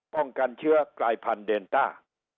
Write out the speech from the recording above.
กันเชื้อกลายพันธุเดนต้า